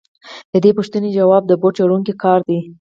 د دې پوښتنې ځواب د بوټ جوړونکي کار دی